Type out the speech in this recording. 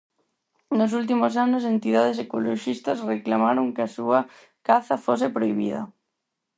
Nos últimos anos entidades ecoloxistas reclamaron que a súa caza fose prohibida.